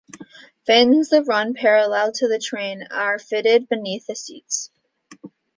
Fins that run parallel to the train are fitted beneath the seats.